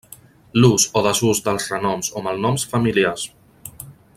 L’ús o desús dels renoms o malnoms familiars.